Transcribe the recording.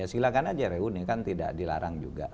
silakan aja reuni kan tidak dilarang juga